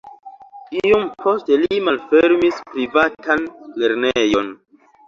Iom poste li malfermis privatan lernejon.